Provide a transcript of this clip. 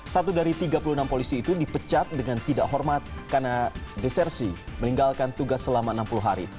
satu dari tiga puluh enam polisi itu dipecat dengan tidak hormat karena desersi meninggalkan tugas selama enam puluh hari